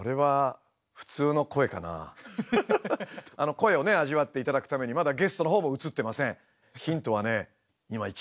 声をね味わっていただくためにまだゲストのほうも映ってません。